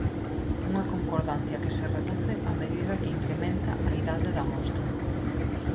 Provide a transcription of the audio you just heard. Unha concordancia que se reduce a medida que incrementa a idade da mostra.